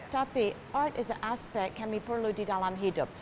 tapi art adalah aspek yang kita perlu di dalam hidup